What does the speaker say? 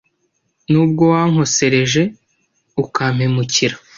Nubwo wankosereje ukampemukira